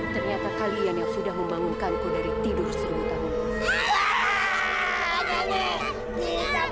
ternyata kalian yang sudah membangunkanku dari tidur seribu tahun